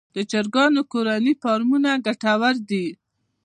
د چرګانو کورني فارمونه ګټور دي